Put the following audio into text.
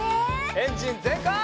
エンジンぜんかい！